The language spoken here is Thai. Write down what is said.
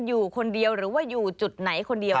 อยู่คนเดียวหรือว่าอยู่จุดไหนคนเดียว